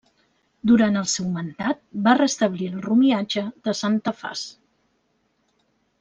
Durant el seu mandat va restablir el romiatge de Santa Faç.